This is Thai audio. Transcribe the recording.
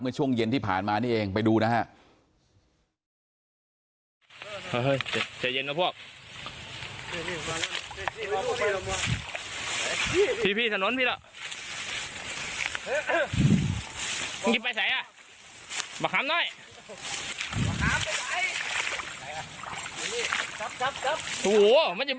เมื่อช่วงเย็นที่ผ่านมานี่เองไปดูนะครับ